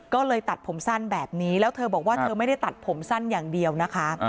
ก็เลยตัดผมสั้นแบบนี้แล้วเธอบอกว่าเธอไม่ได้ตัดผมสั้นอย่างเดียวนะคะ